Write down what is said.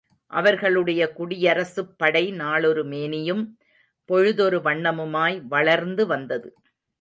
அவர்களுடைய குடியரசுப் படை நாளொருமேனியும் பொழுதொரு வண்ணமுமாய் வளர்ந்து வந்தது.